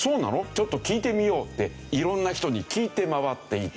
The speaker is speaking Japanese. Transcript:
ちょっと聞いてみよう」って色んな人に聞いて回っていた。